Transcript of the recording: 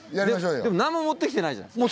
でも何も持ってきてないじゃないですか。